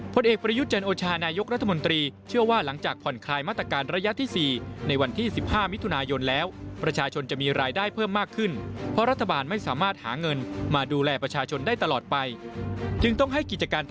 พลเอกประยุทธ์เจนโอชาฮานายกรัฐมนตรี